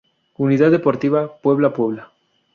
Unidad Deportiva, Puebla, Puebla.